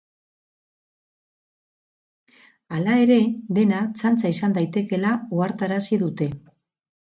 Hala ere, dena txantxa izan daitekeela ohartarazi dute.